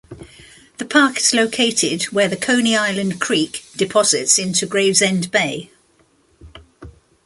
The park is located where the Coney Island Creek deposits into Gravesend Bay.